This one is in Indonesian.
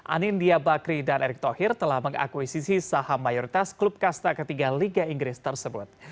anindya bakri dan erick thohir telah mengakuisisi saham mayoritas klub kasta ketiga liga inggris tersebut